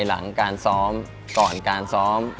หลังการซ้อมก่อนการซ้อม